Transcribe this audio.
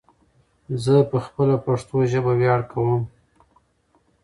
ځه په خپله پشتو ژبه ویاړ کوم